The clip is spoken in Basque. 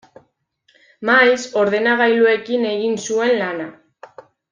Maiz, ordenagailuekin egin zuen lana.